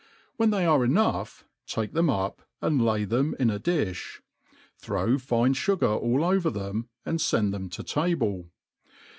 *' When thejr are enoifgh, take them up, and lay them in a diih; throv^ fine fii'gar all over them, and (end them to table.